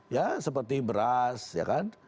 ya seperti beras ya kan